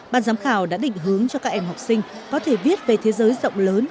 ban giám khảo đã định hướng cho các em học sinh có thể viết về thế giới rộng lớn